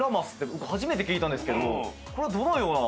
僕初めて聞いたんですけどもこれはどのような。